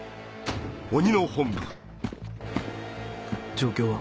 状況は？